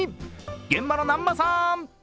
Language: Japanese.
現場の南波さーん！